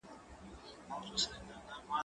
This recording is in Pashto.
زه مخکي لیکل کړي وو